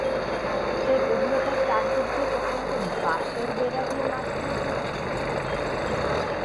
সেই গভীরতার চারদিক দিয়ে প্রথমত বাঁশের বেড়া দিয়ে মাছ ধরা চলতে থাকে।